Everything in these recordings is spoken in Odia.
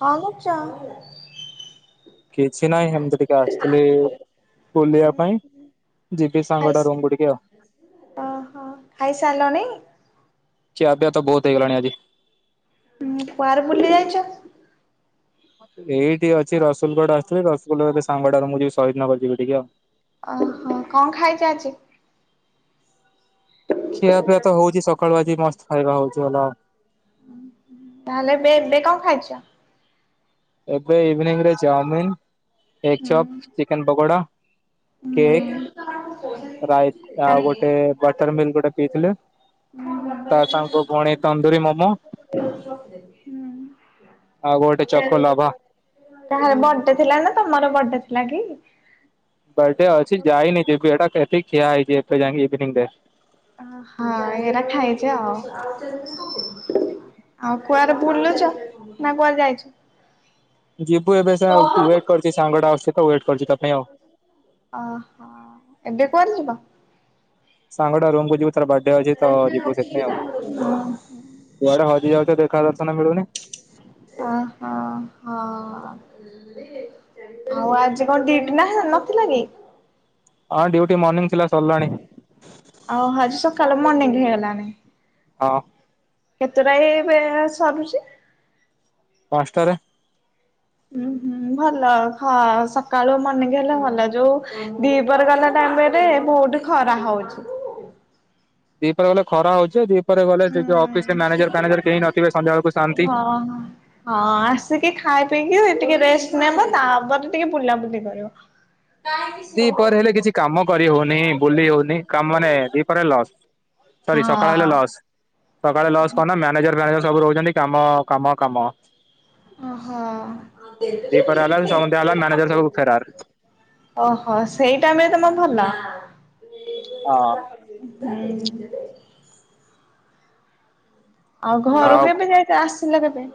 କଣ କରୁଚ? କିଛି ନାହିଁ ହେମିତି ଟିକେ ଆସିଥିଲେ ବୁଲିବା ପାଇଁ ଯିବି ଖାଇ ସାଙ୍ଗଟା ରୁମ କୁ ଟିକେ ଆଉ। ଓହୋ ଖାଇସାରିଲଣି? ଖିଆ ପିଆ ତ ବହୁତ ହେଇଲାଣି ଆଜି। ହୁଁ କୁଆରେ ବୁଲି ଯାଇଛ? ଏଇଠି ଅଛି ରସୁଲୁଗଡ ଆସିଥିଲି, ରସୁଲୁଗଡ ସାଙ୍ଗଟାର, ମୁଁ ଯିବି ଶହୀଦନଗର ଯିବି ଟିକେ ଆଉ। ଓହୋ କଣ ଖାଇଛି ଆଜି? ଖିଆ ପିଆ ତ ହଉଛି ସକାଳୁ ଆଜି ମସ୍ତ ଖାଇବା ହଉଛି ହେଲ ତାହେଲେ ଏବେ ଏବେ କଣ ଖାଇଛ? ଏବେ ଇଭିନିଂ ରେ ଚାଓମିିନ, ଏଗ ହୁଁ। Chop, chicken pakora. କେକ୍ ରାଇ ଆଉ ଗୋଟେ ମିଲ୍ ଗୋଟେ ପିଇଥିଲେ ତା ସାଙ୍ଗ ଭଉଣୀ ତନ୍ଦୁରୀ ମୋମୋ। ହୁଁ। ଆଉ ଗୋଟେ ଚକୋ ଲାଭା କାହାର ବଡେ ଥିଲା ନା ତମର ବର୍ଡେ ଥିଲା କି? ବାର୍ଡେ ଅଛି ଯାଇନି ଯିବି ଏଟା ଖିଆ ହେଇଛି ଏବେ ଯାଇକି ଇଭିନିଂ ରେ। ଅ ହଁ ଏରା ଖାାଇଛ ଆଉ। ଆଉ କୁଆରେ ବୁଲୁଛ ନା କୁଆଡେ ଯାଇଛ? ଯିବୁ ଏବେ ସେ ୱେଟ୍ କରିୁଛି ସାଙ୍ଗଡା ଆସଛି ତ ୱେଟ କରିଛି ତା ପାଇଁ ଆଉ। ଓହୋ ଏବେ କୁଆଡେ ଯିବ? ସାଙ୍ଗା ଟା ରୁମକୁୁ ଯିବୁ ତାର ବାର୍ଡେ ଅଛି ତ ଯିବୁ ସେଥିପାଇଁ ଆଉ। ହୁଁ। କୁଆଡେ ହଜି ଯାଉଛ ଦେଖା ଦର୍ଶନ ମିଳୁନି। ଅହ ହଁ। ଆଉ ଆଜି କଣ ଡ୍ୟୁଟି ନାହିଁ ନଥିଲା କି? ହଁ ଡ୍ୟୁଟି ମର୍ଣ୍ଣିଂ ଥିଲା ସରିଲାଣି। ଆଉ ଆଜି ସକାଳୁ ମନିଂ ହେଇଗଲାଣି। ହଁ। କେତେଟା ଏ ସରୁଛି। ପାଞ୍ଚଟାରେ ଉୁଁ ହୁଁ ଭଲ ହଁ ସକାଳୁ ମନେକି ହେଲେ ଭଲ ଯୋଉ ଦିିପହରେ ଗଲା ଟାଇମରେ ରେ ବୋହୁତୁ ଖରା ହଉଛି। ଦିପ ପହରେ ଗଲେ ଖରା ହଉଛି ଦିପହରେ ଗଲେଉ ହୁଁ ଅଫିସିରେ ମ୍ୟାନେଜର ଫାନେଜର କେହି ନଥିବେ ସନ୍ଧ୍ୟାବେଳକୁ ଶାନ୍ତି। ହଁ ହଁ। ହଁ ଆସିକି ଖାଇ ପିଇକି ଟିକେ ରେଷ୍ଟ୍ ନେବ ତାପରେ ଟିକେ ବୁଲାବୁଲି କରିବ। ଦି ପହରେ ହେଲେ କିଛି କାମ କରି ହଉନି। ବୁଲି ହଉନି କାମ ମାନେ ଦ୍ୱୀପରେ ଲସ୍ ସରି ସକାଳ ହଁ ହେଲେ ଲସ୍। ସକାଳେ ଲସ୍ କଣ ନା ମ୍ୟାନେଜର୍ ଫ୍ୟାନେଜର୍ ସବୁ ରହୁଛନ୍ତି କାମ କାମ କାମ ଓ ହଁ। ଦିପରେ ହେଲା ସନ୍ଧ୍ୟା ହେଲା ମ୍ୟାନେଜର ସବୁ ଫେରାର [unintelligible] ଓହୋ ସେଇ ଟାଇମ୍ ରେ ତମ ଭଲ। ହଁ। ହୁଁ। ଆଉ ଘରୁ କେବେ ଯାଇକି ଆସିଲା କେବେ?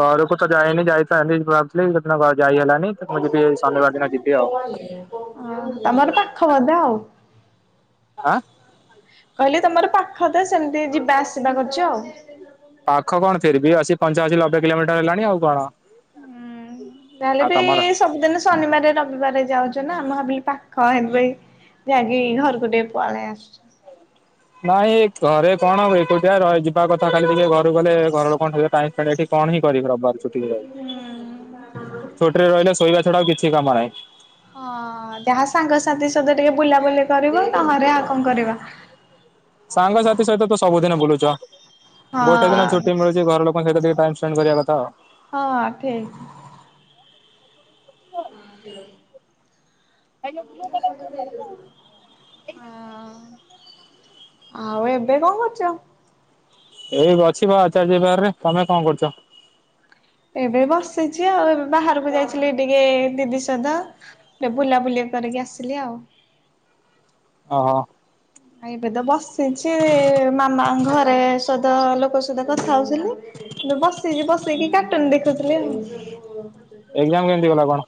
ଘରକୁ ତ ଯାଇନି ଯାଇଥାନ୍ତି ଭାବୁଥିଲି ସେଦିନ ଘରୁ ଯାଇ ହେଲାନି। ମୁଁ ଯିବି ଶନିବାର ଦିନ ଯିବି ଆଉ ତମର ପାଖ ବଧେ ଆଉ। ଆଁ? କହିଲି ତମର ପାଖ ବଧେ ତ ସେମିତି ଯିବା ଆସିବା କରୁଛ ଆଉ। ପାଖ କଣ ଫିର୍ ବି ଅଶୀ ପଞ୍ଚାଅଶୀ ଲବେ କିଲୋମିଟର ହେଲାଣି ଆଉ କଣ। ଯାହା ହେଲେ ଆଉ ବି ତମର? ସବୁଦିନ ଶନିବାର ରବିବାର ଯାଉଛ ନା ଆମ ଭାବିଲି ପାଖ ହେବ ଯାଇକି ଘରକୁ ଟିକେ ପଳେଇ ଆସି ନାଇଁ ଘରେ କଣ ହୁଏ ଏକୁଟିଆ ରଇ ଯିବା କଥା ଖାଲି ଟିକେ ଘରୁ ଗଲେ ଘରଲୋକ ଏଠି କଣ ହିଁ କରିବି ରବାର ଚୁଟି ଛୁଟିରେ ରହିଲେ ଶୋଇବା ଛଡ଼ା ଆଉ କିଛି କାମ ନାହିଁ ହଁ ଯାହା ସାଙ୍ଗସାଥି ସହିତ ଟିକେ ବୁଲାବୁଲି କରିବ। ନହେଲେ ଆଉ କଣ କରିବ। ସାଙ୍ଗସାଥି ସହିତ ତ ସବୁଦିନ ବୁଲୁଛ ହଁ ଗୋଟେ ଦିନ ଛୁଟି ମିଳୁଛି ଘର ଲୋକଙ୍କ ସହିତ ଟିକେ ଟାଇମ୍ ସ୍ପେ ସ୍ପେଣ୍ଡ୍ କରିବା କଥା ଆଉ। ହଁ ଠିକ୍। [inaudible] [inaudible] ଆଉ ଏବେ କଣ କରୁଛ? ଏଇ ଅଛିିବା ଆଚାର୍ଯ୍ୟ ବିହାରରେ। ତମେ କଣ କରୁଛ? ଏବେ ବସିଛି ଆଉ ଏବେ ବାହାରକୁ ଯାଇଥିଲି ଟିକେ ଦିଦି ସହିତ। ବେ ବୁଲାବୁଲି କରିକି ଆସିଲି ଆଉ। ଅହୋ। ଆ ଏବେ ତ ବସିଛି ମାମା ଘରେ ସହିତ ଲୋକ ସହିତ କଥା ହଉଥିଲି। ଏବେ ବସିଛି ବସିକି କାଟୁନ ଦେଖୁଥିଲି ଆ ଏକ୍ଜାମ କେମିତି ଗଲା କଣ?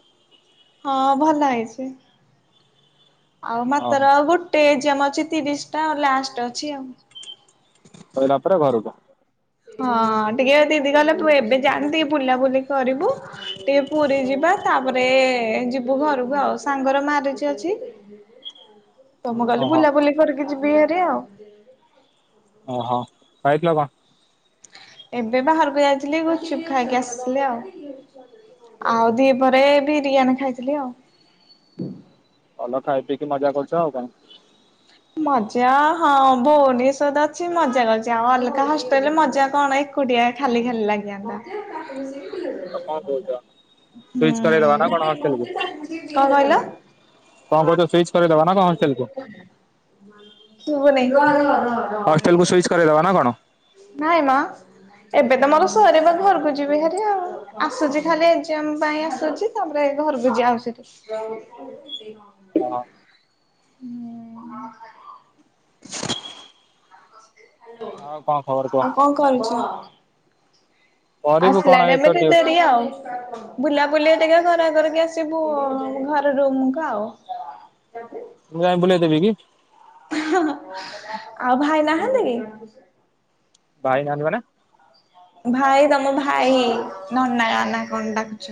ହଁ ଭଲ ହେଇଛି ଆଉ ଓହୋ ମାତର ଗୋ ଟେ ଏକ୍ଜାମ ଅଛି ତିରିଶ ଟା ଆ ଲାଷ୍ଟ ଅଛି ଆଉ। ସଇଲା ପରେ ଘରକୁ। ହଁ ଟିକେ ଦିଦି କଲେ ତୁ ଏବେ ଜାଆନି ଟିକେ ବୁଲାବୁଲି କରିବୁ। ଟିକେ ପୁରୀ ଯିବା ତାପରେ ଯିବୁ ଘରକୁ ଆଉ ସାଙ୍ଗର ମ୍ୟରେଜ୍ ଅଛି। ତମ ଗଲି ଓହୋ ବୁଲାବୁଲି କରିକି ଯିବି ହାରି ଆଉ। ଓହୋ ଖାଇଥିଲ କନ୍? ଏବେ ବାହାରକୁ ଯାଇଥିଲି ଗୁଚୁପ ଖାଇକି ଆସିଥିଲି ଆଉ। ଆଉ ଦି ପରେ ବିରିୟାନି ଖାଇଥିଲି ଆଉ। ଭଲ ଖାଇ ପିକି ମଜା କରୁଛ ଆଉ କଣ? ମଜା ହଁ ଭଉଣୀ ସହ ତ ଅଛି ମଜା କରିଛି ଆଉ ଅଲଗା ହଷ୍ଟେଲରେ ମଜା କଣ ଏଇ କୁଟିଆ ଖାଲି ଖାଲି ଲାଗିଯନ୍ତା। ଆଉ କଣ କହୁଛ? ହୁଁ ସୁଇଚ୍ କରେଇଦବା ନା କଣ ହଷ୍ଟେଲ କୁ କଣ କହିଲ? କଣ କହୁଛ ସୁଇଚ୍ କରିଦବା ନା ହଣ୍ଟେଲ କୁ? ସୁଭ ନେଇ? ହଷ୍ଟେଲ କୁ ସୁଇଚ୍ କରିଦେବା ନା କଣ? ନାଇଁ ମା ଏବେ ତ ମୋର ସରିବ ଘରକୁ ଯିବି ଭାରି ଆଉ। ଆସୁଛି ଖାଲି ଏଗଜାମ୍ ପାଇଁ ଆସୁଛି ତାପରେ ଘରକୁ ଯଉ ସେଠୁ। ହଁ। ଆଉ କଣ ଖବର କୁହ ଆଉ କଣ କରୁଛ? କରିବୁ ଆସିଲା କଣ ଏଇ ଟାଇମ ତ ରେ ଟିକେ ଡ୍ୟୁଟି ଡେରି ଆଉ। ବୁଲା ବୁଲି ଘରା ଘରିକି ଆସିବୁ ଘର ରୁମକୁ ଆଉ। [inaudible] ମୁଁ ଯାଇ ବୁଲେଇ ଦେବି କି? [unintelligible] ଆଉ ଭାଇ ନାହାନ୍ତି କି? ଭାଇ ନାହାନ୍ତି ମାନେ? ଭାଇ ତମ ଭାଇ ନନା ନା କଣ ଡାକୁଛ?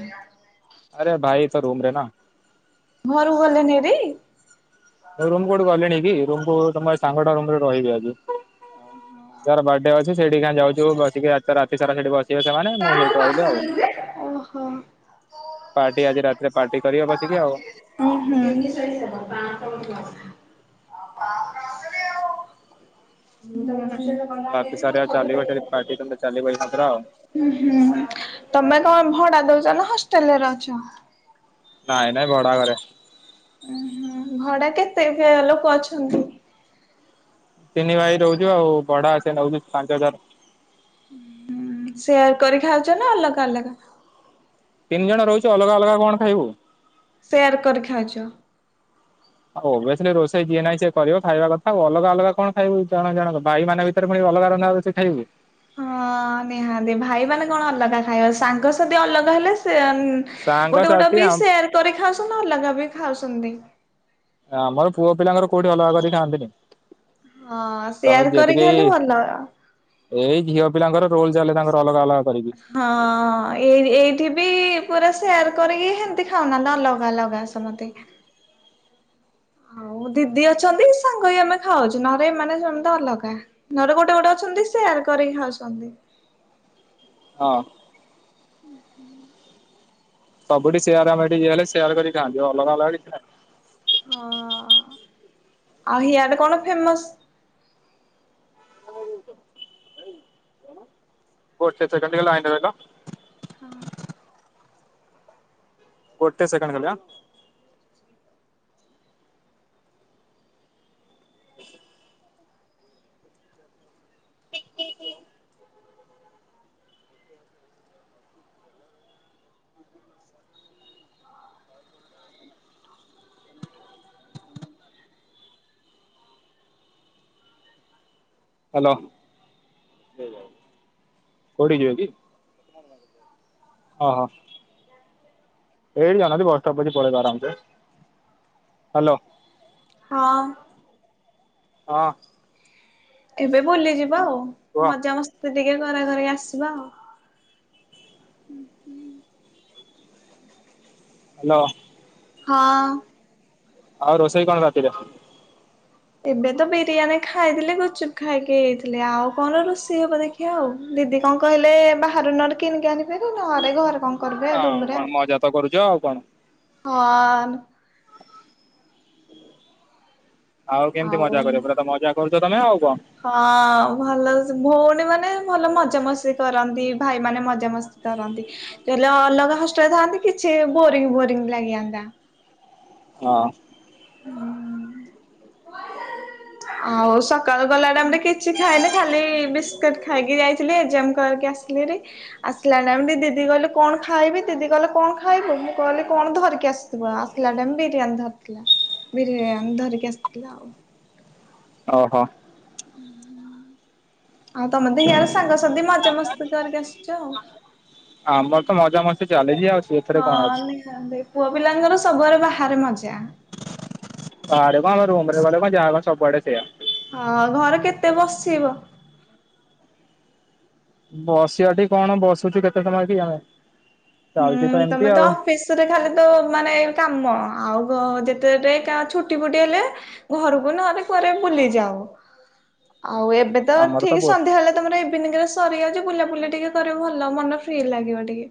ଆରେ ଭାଇ ତା ରୁମ ରେ ନା। ଘରକୁ ଗଲେନି ହେରି? ରୁମ୍ କୋଉଠି ଗଲିଣି କି ରୁମ କୁ ତମ ସାଙ୍ଗ ଟା ରୁମରେ ରହିବି ଆଜି। ଓହୋ। ଯାର ବାର୍ଥଡେ ଅଛି ସେଇଠି କା ଯାଉଛୁ ବସିକି ରାତି ସାରା ସେଠି ବସ [unintelligible] ସେମାନେ ମୁଁ ସେଇଠି ରହିଲେ ଆଉ। ଓହୋ। ପାର୍ଟି ଆଜି ରାତିରେ ପାର୍ଟି କରିବ ବସିକି ଆଉ। ଉଁ ହୁଁ। [inaudible] ହୁଁ ରାତି ସାରା ଆଉ ଚାଲିବ ସେଠି ପାର୍ଟି ତମର ଚାଲିବ ଏଇନା ପୁରା ଆଉ ହୁଁ ତମେ କଣ ଭଡା ଦଉଛ ନା ହଷ୍ଟେଲ ରେ ରହୁଛ? ନାଇଁ ନାଇଁ ଭଡା ଘରେ। ଉ ହୁଁ ଭଡା କେତେ ଲୋକ ଅଛନ୍ତି? ତିନି ଭାଇ ରହୁଛୁ ଆଉ ବଢା ସେ ନଉଛି ପାଞ୍ଚ ହଜାର। ହଁ ସେୟାର୍ କରି ଖାଉଛ ନା ଅଲଗା ଅଲଗା? ତିନି ଜଣ ରହୁଚୁ ଅଲଗା ଅଲଗା କଣ ଖାଇବୁ? ସେୟାର କରି ଖାଉଛ। ଓବିଅସଲି ରୋଷେଇ ଯିଏ ନାହିଁ ସିଏ ଖାଇବା କଥା ଆଉ ଅଲଗା ଅଲଗା କଣ ଖାଇବୁ ଜଣ ଜଣ ଭାଇ ମାନ ବି ପୁଣି ଅଲଗା ରନ୍ଧା ହେଉଛି ଖାଇବୁ? ହଁ ନିହାତି ଭାଇମାନେ କଣ ଅଲଗା ଖାଇବ ସାଙ୍ଗସଥି ଅଲଗା ହେଲେ ସେନ୍ ଗୋଟେ ଗୋଟେ ସାଙ୍ଗସାଥି ବି ସେୟାର କରି ଖାଉଛନ୍ତି ଅଲଗା ବି ଖାଉଛନ୍ତି। ଆମର ପୁଅ ପିଲାଙ୍କର କୋଉଠିଅଲଗାକରି ଖଆନ୍ତିନି। ହଁ ସେୟାର କରିକି ଖାଇଲେ ଭଲ। ଏଇ ଝିଅ ପିଲାଙ୍କର ରୋଲ ଚାଲେ ତାଙ୍କର ଅଲଗା ଅଲଗା କରିକି। ହଁ ଏଇ ଏଇଠି ବି ପୁରା ସେୟାର କରିକି ସେମତି ଖାଉନାହାନ୍ତି ଅଲଗା ଅଲଗା ସମସ୍ତେ। ହଉ ଦିଦି ଅଛନ୍ତି ସାଙ୍ଗହୋଇ ଆମେ ଖାଉଛୁ ନହେଲେ ଏମାନେ ସମସ୍ତେ ଅଲଗା। ନରେ ଗୋଟେ ଗୋଟେ ଅଛନ୍ତି ସେୟାର କରିକି ଖାଉଛନ୍ତି। ହଁ। ସବୁଠି ସେୟାର ଆମେ ଏଠି ହେଲେ ସେୟାର୍ କରିିକି ଖାନ୍ତି ଅଲଗା ଅଲଗା କିଛି ନାହିଁ। ହଁ, ଆଉ ହିଆଡେ କଣ ଫେମସ୍? ଗୋଟେ ସେକେଣ୍ଡ ଟିକେ ଲାଇନ ରେ ରହିଲ! ହଁ। ଗୋଟେ ସେକଣ୍ଡ ଖାଲି ହାଁ। ହ୍ୟାଲୋ, କୋଉଠି ଯିବେ କି? ହ ହ। ଏଇଠି ଯାଉ ନାହାନ୍ତି। ବସଷ୍ଟପ୍ ଅଛି ପଳେଇବ ଆରାମସେ। ହ୍ୟାଲୋ। ହଁ। ହ। ଏବେ ବୁଲିଯିବା ଆଉ। କୁହ ମଜା ମସ୍ତି ଟିକେ କରା କରି ଆସିବା ଆଉ। ହ୍ୟାଲୋ। ହଁ। ଆଉ ରୋଷେଇ କଣ ରାତିରେ? ଏବେ ତ ବିରିୟାନୀ ଖାଇଥିଲି, ଗୁଚୁପ୍ ଖାଇକି ଆଇଥିଲି, ଆଉ କଣ ରୋଷେଇ ହବା ଦେଖି ଆଉ ଦିଦି କଣ କହିଲେ, ବାହାରୁ ନହଲେ କିଣିକି ଆଣିଭେରି ନଅରେ ଘରେ କଣ କରିବେ ରୁମରେ କଣ ଆଉ। ମଜା ତ କରୁଛ ଆଉ କଣ ହଁ-ଅନ୍। ଆଉ କେମିତି ମଜା କରିବ! ପୁରା ତ ମଜା କରୁଛ ତମେ ଆଉ କଣ? ହଁ, ଭଲ ଭଉଣୀ ମାନେ ଭଲ ମଜାମସ୍ତି କରନ୍ତି। ଭାଇ ମାନେ ମଜାମସ୍ତି କରନ୍ତି। ଯଲି ଅଲଗା ହଷ୍ଟେଲରେ ଥାନ୍ତି କିଛି ବୋରିଙ୍ଗ, ବୋରିଙ୍ଗ ଲାଗିଆନ୍ତା। ହଁ। ହୁଁ। ଆଉ ସକ୍ ସକାଳୁ ଗଲା ଟାଇମ୍ ରେ କିଛି ଖାଇନି ଖାଲି ବିସ୍କିଟ୍ ଖାଇକି ଯାଇଥିଲି, ଏକ୍ସାମ୍ କରିକି ଆସିଲି ହେରି। ଆସିଲା ଟାଇମ୍ ଦିଦି କହିଲେ, କଣ ଖାଇବି? ଦିଦି କହିଲ କଣ ଖାଇବୁ? ମୁଁ କହିଲି କଣ ଧରିକି ଆସ୍ [unintelligible] ଆସିଲା ଟାଇମ୍ ବିରିୟାନୀ ଧରିଥିଲା। ବିରିୟାନୀ ଧରିକି ଆସିଥିଲା ଆଉ। ଓହୋ! ଉଁ ହୁଁ, ଆଉ, ତମେ ତ ହିଆରେ ସାଙ୍ଗସାଥି ମଜା ମସ୍ତି କରିକି ଆସିଛ ଆଉ। ଆମର ତ ମଜା ମସ୍ତି ଚାଲିଛି ଆଉ, ସେଥିରେ କଣ ହଁ ଅଛି? ପୁଅ ପିଲାଙ୍କର ସବୁଆରେ ବାହାରେ ମଜା। କୁଆଡେ କଣ? ରୁମ୍ ରେ ଗଲେ କଣ ଯାହାକ ସବୁଆଡେ ସେଆ। ହଁ, ଘରେ କେତେ ବସିବ? ବସିବାଠି କଣ? ବସୁଛୁ କେତେ ସମୟ କି ଆମେ? ହୁଁ, ଚାଲିଛି ଏମିତି ତମେ ତ ଆଉ ଫିସ୍ ରେ ଖାଲି ତ ମାନେ କାମ, ଆଉ କଁ ଯେତେଟେ ଛୁଟି ଫୁଟି ହେଲେ ଘରକୁ ନହେଲେ କୁଆରେ ବୁଲିଯାଉ। ଆଉ ଏବେ ତ ଆମର ଠିକ୍ ହଁ ସନ୍ଧ୍ୟାବେଳେ ତମର ଇଭିନିଂ ରେ ସରିଯାଉଛି ବୁଲାବୁଲି ଟିକେ କରିବୁ ଭଲ ମନ ଫ୍ରି ଲାଗିବ ଟିକେ।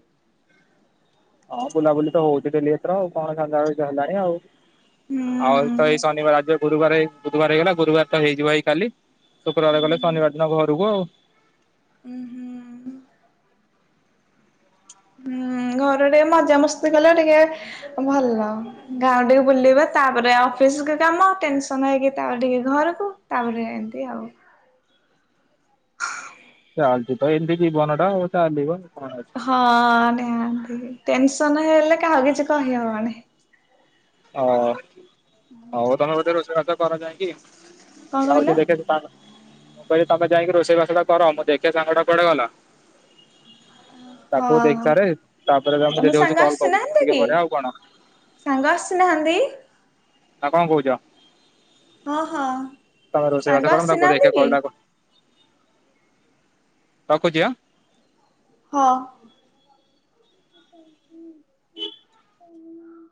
ହଁ, ବୁଲାବୁଲି ତ ହଉଛି ଡେଲି ଏଥର। ଆଉ କଣ ସନ୍ଧ୍ୟାବେଳ ତ ହେଲାଣି ଆଉ। ଆଉ ତ ହୁଁ। ଏଇ ଶନିବାର ଆଜି ଗୁରୁବାର, ଏଇ ବୁଧୁବାର ହେଇଗଲା। ଗୁରୁବାର ତ ହେଇଯିବ ଏଇ କାଲି। ଶୁକ୍ରବାର ଗଲେ, ଶନିବାର ଦିନ ଘରକୁ ଆଉ। ଉୁଁ, ହୁଁ। ହୁଁ, ଘରେ ଟିକେ ମଜାମସ୍ତି କଲେ ଟିକେ ଭଲ। ଗାଁ ଟିକେ ବୁଲିବା, ତା'ପରେ ଅଫିସ୍ କାମ ଟେନ୍ ସନ୍ ହେଇକି ତା'ପରେ ଟିକେ ଘରକୁ ତା'ପରେ ଏଁତି ଆଉ। ହ [inaudible] ଚାଲିଛିତ, ଏମିତି ଜୀବନ ଟା ଆଉ। ଚାଲିବ ଆଉ କଣ ଅଛି? ହଁ, ନିହାନ୍ତି ଟେନସନ୍ ହେଲେ, କାହାକୁ କିଛି କହି ହବନି? ଓ ହଉ ତମେ ବଧେ ରୋଷେଇବାସ କର ଯାଇଁକି କଣ କହିଲ? ଯାଉଛି, ଦେଖେ ସେ ତାର ତମେ ଯାଇକି ରୋଷେଇବାସ ଟା କର। ମୁଁ ଦେଖେ ସାଙ୍ଗ ଟା କୁଆଡେ ଗଲା? ତାକୁ ହଁ ଦେଖିସାରେ। ତା'ପରେ ତା ମୁଁ ତମ ଯଦି ହଉଛି ସାଙ୍ଗ କଲ୍ କରୁଛି। ମୁଁ ଆସିନାହାନ୍ତି ଟିକେ କି? ପରେ ଆଉ କଣ? ସାଙ୍ଗ ଆସିନାହାନ୍ତି? ଆଉ କଣ କହୁଛ ହଁ ହଁ ତମେ ରୋଷେଇ ସାଙ୍ଗ ବାସ କର ମୁଁ ତାକୁ ଆସିନାହାନ୍ତି ଦେଖେ କି? କଲ ତାକୁ ରଖୁଛି ହଁ। ହଁ। [inaudible]